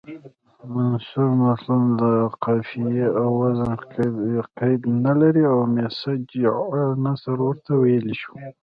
منثور متلونه د قافیې او وزن قید نلري او مسجع نثر ورته ویلی شو